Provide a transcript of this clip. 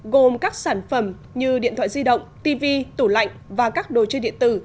gồm các sản phẩm như điện thoại di động tv tủ lạnh và các đồ chơi điện tử